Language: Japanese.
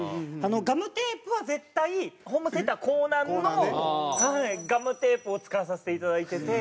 ガムテープは絶対ホームセンターコーナンのガムテープを使わせていただいてて。